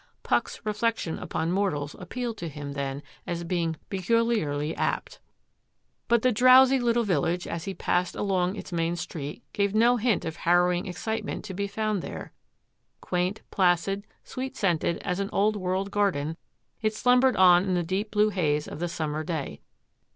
Puck's reflection upon mortals ap pealed to him then as being peculiarly apt. But the drowsy little village, as he passed along its main street, gave no hint of harrowing excite ment to be found there — quaint, placid, sweet scented as an old world garden, it slmnbered on in the deep blue haze of the summer day.